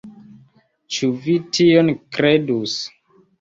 Ĉu vi tion kredus!